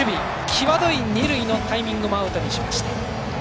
際どい二塁のタイミングもアウトにしました。